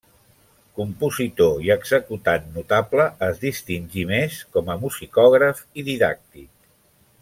Compositor i executant notable, es distingí més com a musicògraf i didàctic.